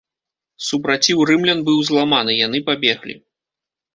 Супраціў рымлян быў зламаны, яны пабеглі.